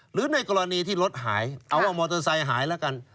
หรือในกรณีที่รถหายเอาว่ามอเตอร์ไซค์หายแล้วกัน